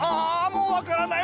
もう分からない！